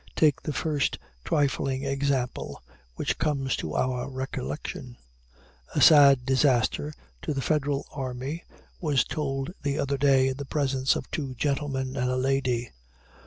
Take the first trifling example which comes to our recollection. A sad disaster to the Federal army was told the other day in the presence of two gentlemen and a lady.